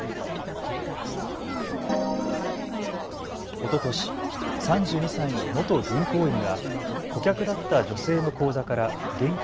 おととし、３２歳の元銀行員が顧客だった女性の口座から現金